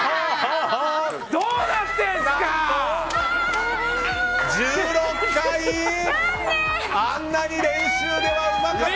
どうなってんすか！